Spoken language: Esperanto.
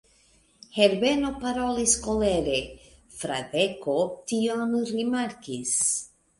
Herbeno parolis kolere: Fradeko tion rimarkis.